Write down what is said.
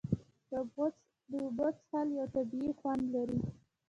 د اوبو څښل یو طبیعي خوند لري.